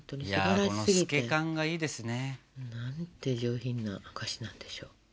いやこの透け感がいいですね。なんて上品なお菓子なんでしょう。